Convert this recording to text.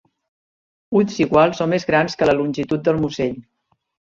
Ulls iguals o més grans que la longitud del musell.